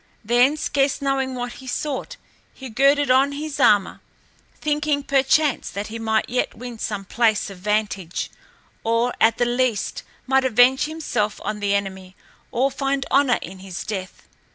Then, scarce knowing what he sought, he girded on his armor, thinking perchance that he might yet win some place of vantage or at the least might avenge himself on the enemy or find honor in his death.